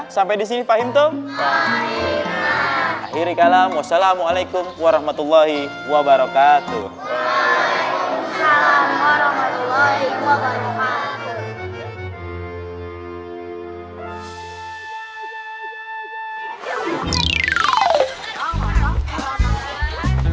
sampai di sini pahim tuh akhir kalam wassalamu'alaikum warahmatullahi wabarakatuh salam